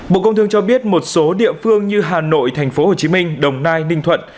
bộ công thương cho biết một số địa phương như hà nội tp hcm đồng nai ninh thuận